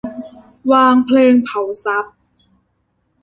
วางเพลิงเผาทรัพย์